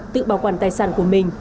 tự bảo quản tài sản của mình